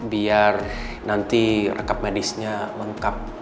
biar nanti rekap medisnya lengkap